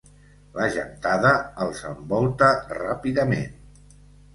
La gentada els envolta ràpidament.